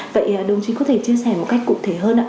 vậy đồng chí có thể chia sẻ một cách cụ thể hơn ạ